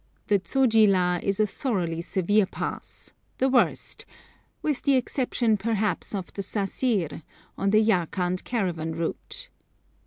The Zoji La is a thoroughly severe pass, the worst, with the exception perhaps of the Sasir, on the Yarkand caravan route.